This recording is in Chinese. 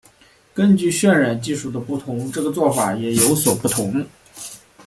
根据渲染技术的不同这个做法也有所不同。